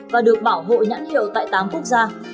và được bảo hộ nhãn hiệu tại tám quốc gia